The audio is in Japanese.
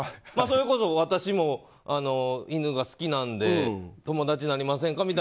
それこそ私も犬が好きなんで友達なりませんか？